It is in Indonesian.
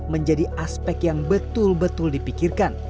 menjadi aspek yang betul betul dipikirkan